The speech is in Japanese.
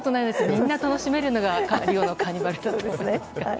みんな楽しめるのがリオのカーニバルだと思います。